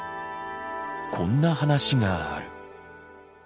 こんな話がある。